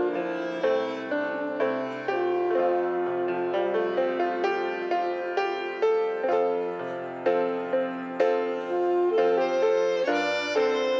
serang fungsi dia genar urut